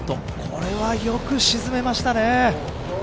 これはよく沈めましたね。